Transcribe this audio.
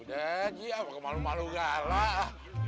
udah gigi apa kemalu malu galak